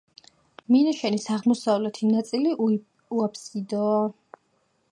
მინაშენის აღმოსავლეთი ნაწილი უაბსიდოა.